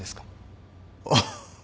あっ。